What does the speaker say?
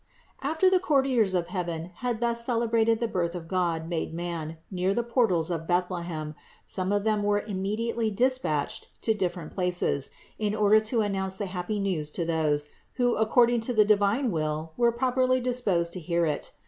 489. After the courtiers of heaven had thus celebrated the birth of God made man near the portals of Bethlehem, some of them were immediately dispatched to different places, in order to announce the happy news to those, who according to the divine will were properly disposed to hear it.